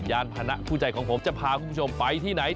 ยานพนะคู่ใจของผมจะพาคุณผู้ชมไปที่ไหน